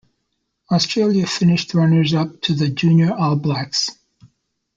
Australia finished runners up to the Junior All Blacks.